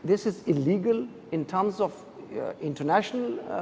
ini ilegal dalam hal resolusi internasional